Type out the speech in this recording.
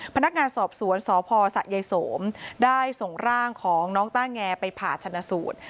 พนักงานสอบสวนสพสะยายโสมได้ส่งร่างของน้องต้าแงไปผ่าชนะสูตร